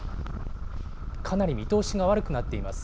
かなり見通しが悪くなっています。